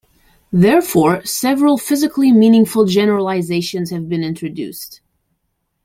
Therefore, several physically meaningful generalisations have been introduced.